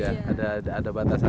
gak bisa lewat ya ada batasan ya